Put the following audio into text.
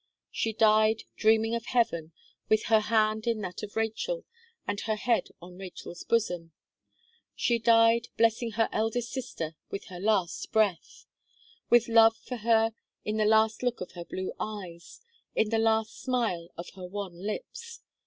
She died, dreaming of heaven, with her hand in that of Rachel, and her head on Rachel's bosom. She died, blessing her eldest sister with her last breath, with love for her in the last look of her blue eyes, in the last smile of her wan lips.